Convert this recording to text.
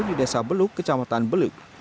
di desa beluk kecamatan beluk